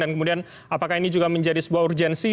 dan kemudian apakah ini juga menjadi sebuah urgensi